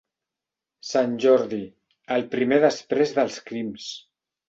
Sant Jordi, el primer després dels crims.